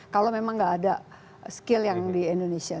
kalau memang nggak ada skill yang di indonesia